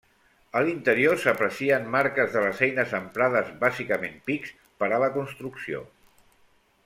A l'interior s'aprecien marques de les eines emprades -bàsicament pics- per a la construcció.